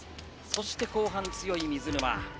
そして後半強い水沼。